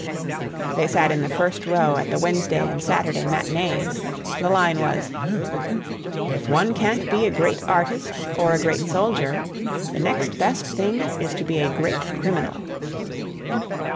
They sat in the first row at the Wednesday and Saturday matinees. The line was: "If one can't be a great artist or a great soldier, the next best thing is to be a great criminal."